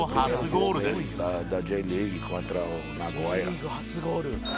「Ｊリーグ初ゴール」